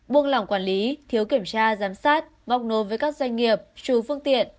buông lỏng quản lý thiếu kiểm tra giám sát bóc nôn với các doanh nghiệp trừ phương tiện